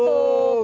oh udah ngantuk